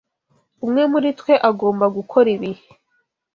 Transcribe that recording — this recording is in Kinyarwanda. Umwe muri twe agomba gukora ibi.